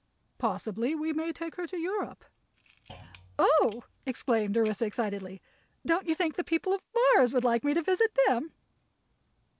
Possibly we may take her to Europe—" "Oh!" exclaimed Orissa, excitedly. "Don't you think the people of Mars would like me to visit them?"